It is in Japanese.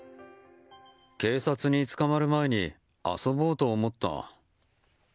警察に捕まる前に遊ぼうと思った。